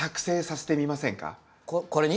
これに？